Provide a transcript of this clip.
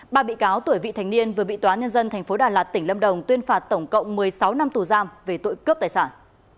ba bị cáo tuổi vị thành niên vừa bị tòa nhân dân tp đà lạt tỉnh lâm đồng tuyên phạt tổng cộng một mươi sáu năm tù giam về tội cướp tài sản